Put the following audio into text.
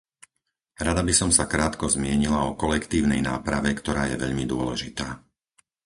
Rada by som sa krátko zmienila o kolektívnej náprave, ktorá je veľmi dôležitá.